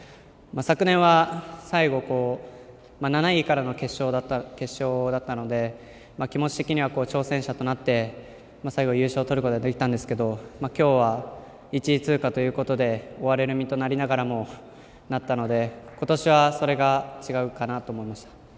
昨年は最後７位からの決勝だったので気持ち的には挑戦者となって最後、優勝をとることができたんですけど今日は１位通過ということで追われる身となりながらもなったので今年はそれが違うかなと思いました。